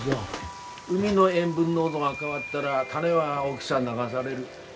海の塩分濃度が変わったらタネは沖さ流される。